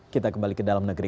kita kembali ke dalam negeri